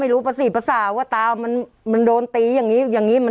ไม่รู้ประสิทธิประสาทว่าตามันโดนตีอย่างนี้